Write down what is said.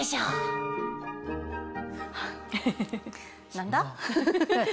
何だ？